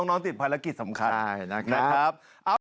น้องติดภารกิจสำคัญนะครับ